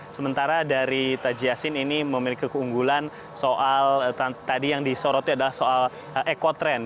sementara dari taji yassin ini memiliki keunggulan soal tadi yang disorotnya adalah soal ekotrend